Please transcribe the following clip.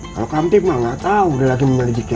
kalau kamtip mah gak tau udah lagi memiliki apa